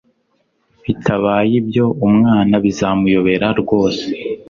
bitabaye ibyo umwana bizamuyobera rwose